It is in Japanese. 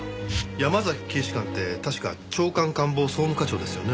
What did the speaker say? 山崎警視監って確か長官官房総務課長ですよね？